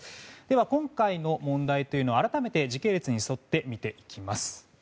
今回の問題というのを改めて時系列に沿って見ていきます。